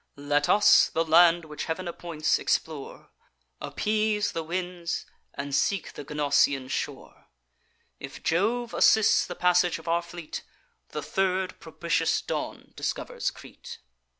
Let us the land which Heav'n appoints, explore; Appease the winds, and seek the Gnossian shore. If Jove assists the passage of our fleet, The third propitious dawn discovers Crete.